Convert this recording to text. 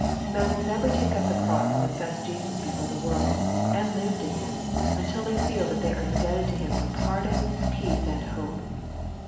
Men will never take up the cross and confess Jesus before the world, and live to Him, until they feel that they are indebted to Him for pardon, peace, and hope.